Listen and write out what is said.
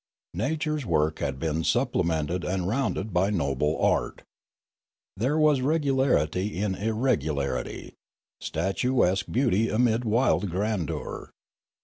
Nature's work had been supple mented and rounded by noble art. There was regu larity in irregularity, statuesque beauty amid wild grandeur.